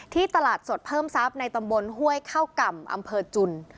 ตลาดสดเพิ่มทรัพย์ในตำบลห้วยเข้าก่ำอำเภอจุน